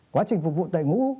quá trình phục vụ đại ngũ